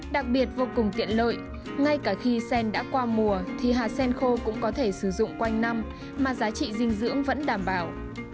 đặc biệt vô cùng tiện lợi ngay cả khi sen đã qua mùa thì hạt sen khô cũng có thể sử dụng quanh năm mà giá trị dinh dưỡng vẫn đảm bảo